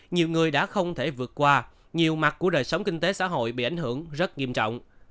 nhiều người đã không thể vượt qua nhiều mặt của đời sống kinh tế xã hội bị ảnh hưởng rất nghiêm trọng